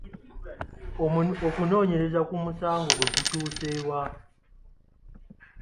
Okunoonyereza ku musango gwe kutuuse wa?